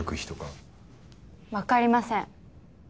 わかりません。